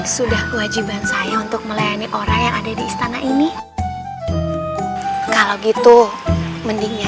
sudah kewajiban saya untuk melayani orang yang ada di istana ini kalau gitu mendingnya